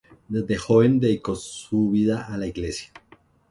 Desde joven dedicó su vida a la Iglesia.